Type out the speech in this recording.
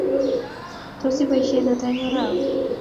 tos iboisien ata eng arawe?